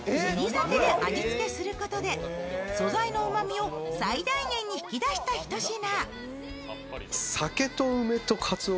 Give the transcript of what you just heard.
酒で味付けすることで素材のうまみを最大限に引き出したひと品。